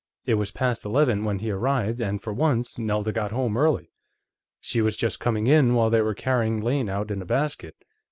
It was past eleven when he arrived, and for once, Nelda got home early. She was just coming in while they were carrying Lane out in a basket.